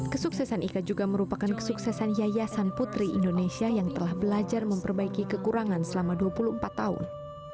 kesuksesan ika juga merupakan kesuksesan yayasan putri indonesia yang telah belajar memperbaiki kekurangan selama dua puluh empat tahun